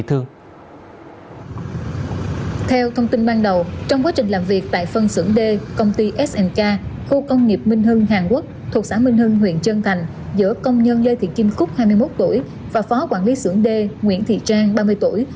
thuộc xã minh hưng huyện trân thành giữa công nhân lê thị kim cúc hai mươi một tuổi và phó quản lý xưởng d nguyễn thị trang ba mươi tuổi